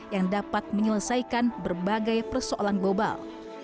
yang dapat menyelesaikan berbagai persoalan global